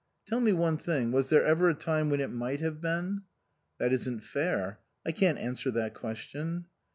" Tell me one thing was there ever a time when it might have been?" "That isn't fair. I can't answer that ques tion."